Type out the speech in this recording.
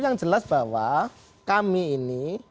yang jelas bahwa kami ini